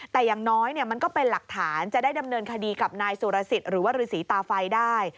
แต่อย่างน้อยมันก็เป็นหลักฐานจะได้ดำเนินคดีกับนายสุรสิทธิ์หรือว่าฤษีตาไฟได้